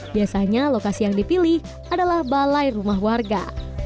biasanya lokasi yang dipilih adalah balai rumah warga